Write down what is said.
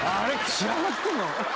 仕上がってんの？